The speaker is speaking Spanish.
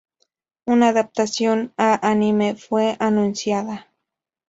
Una adaptación a anime fue anunciada.